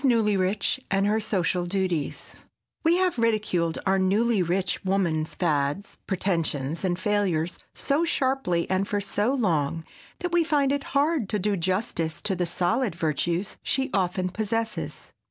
NEWLYRICH AND HER SOCIAL DUTIES WE have ridiculed our newly rich woman's fads, pretensions and failures so sharply and for so long that we find it hard to do justice to the solid virtues she often possesses.